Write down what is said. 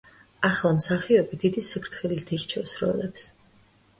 ახლა მსახიობი დიდი სიფრთხილით ირჩევს როლებს.